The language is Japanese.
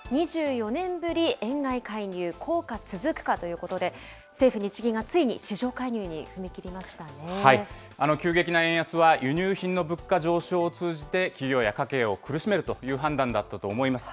２４年ぶり円買い介入、効果続くか？ということで、政府・日銀がついに市場介入に踏み切りました急激な円安は、輸入品の物価上昇を通じて、企業や家計を苦しめるという判断だったと思います。